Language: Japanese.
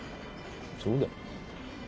そうだよ。